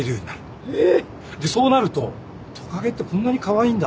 えっ？でそうなるとトカゲってこんなにカワイイんだ